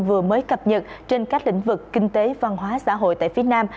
vừa mới cập nhật trên các lĩnh vực kinh tế văn hóa xã hội tại phía nam